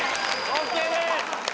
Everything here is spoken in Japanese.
ＯＫです！